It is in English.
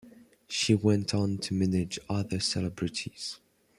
She went on to manage other celebrities.